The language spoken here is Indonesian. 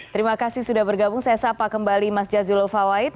terima kasih sudah bergabung saya sapa kembali mas jazilul fawait